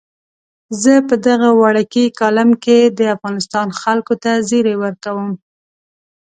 زه په دغه وړوکي کالم کې د افغانستان خلکو ته زیری ورکوم.